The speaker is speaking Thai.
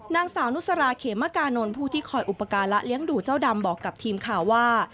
นางสาวนุสราเขมกานนท์ผู้ที่คอยอุปการะเลี้ยงดูเจ้าดำบอกกับทีมข่าวว่า